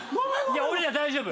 俺ら大丈夫。